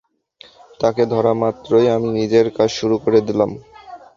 তাকে ধরা মাত্রই আমি নিজের কাজ শুরু করে দিলাম।